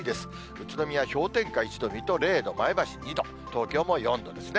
宇都宮氷点下１度、水戸０度、前橋２度、東京も４度ですね。